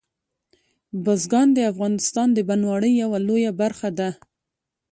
بزګان د افغانستان د بڼوالۍ یوه لویه برخه ده.